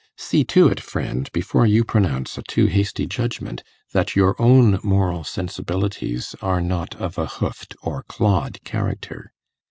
See to it, friend, before you pronounce a too hasty judgement, that your own moral sensibilities are not of a hoofed or clawed character.